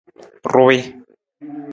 Ruwii.